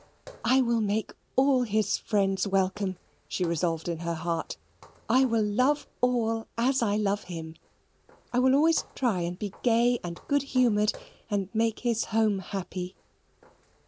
"I will make all his friends welcome," she resolved in her heart. "I will love all as I love him. I will always try and be gay and good humoured and make his home happy."